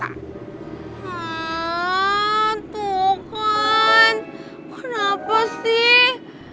hah tuh kan kenapa sih